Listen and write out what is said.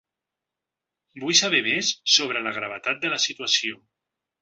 Vull saber més sobre la gravetat de la situació.